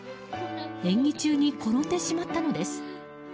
演技中に転んでしまったのです。